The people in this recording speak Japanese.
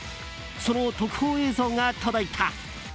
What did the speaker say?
その特報映像が届いた。